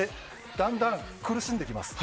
だんだん、苦しんできます。